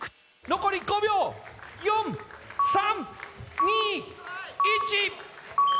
残り５秒４３２１。